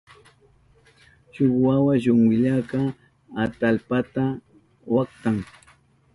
Shuk wawa shunkillaka atallpata waktan.